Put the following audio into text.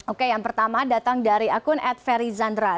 oke yang pertama datang dari akun atferizandra